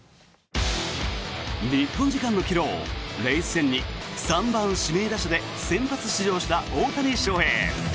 日本時間の昨日レイズ戦に３番指名打者で先発出場した大谷翔平。